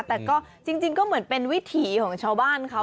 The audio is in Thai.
แต่ก็จริงก็เหมือนเป็นวิถีของชาวบ้านเขา